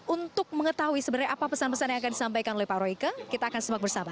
untuk mengetahui sebenarnya apa pesan pesan yang akan disampaikan oleh pak royke kita akan semak bersama